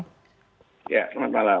ya selamat malam